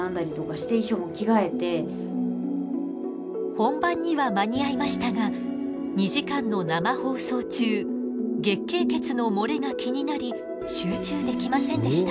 本番には間に合いましたが２時間の生放送中月経血の漏れが気になり集中できませんでした。